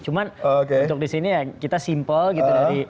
cuma untuk di sini ya kita simpel gitu dari